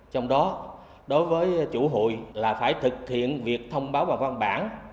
trong đó đối với chủ hội là phải thực hiện việc thông báo bằng văn bản